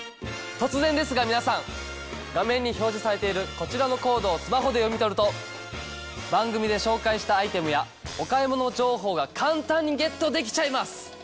突然ですが皆さん画面に表示されているこちらのコードをスマホで読み取ると番組で紹介したアイテムやお買い物情報が簡単にゲットできちゃいます！